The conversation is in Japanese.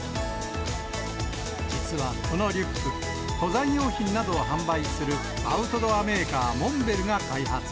実はこのリュック、登山用品などを販売するアウトドアメーカー、モンベルが開発。